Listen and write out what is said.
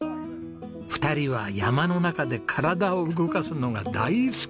２人は山の中で体を動かすのが大好き人間。